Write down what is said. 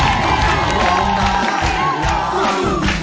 แล้วก็เห็นสายตามุ่งมั่นของคนที่เป็นลูกที่แม่นั่งอยู่ตรงนี้ด้วย